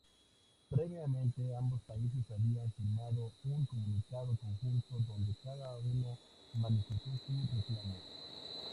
Previamente ambos países habían firmado un comunicado conjunto donde cada uno manifestó su reclamo.